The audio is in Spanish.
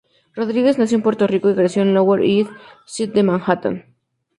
Rodríguez nació en Puerto Rico y creció en Lower East Side de Manhattan.